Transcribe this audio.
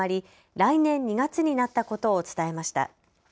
来年２月になったことを伝えました。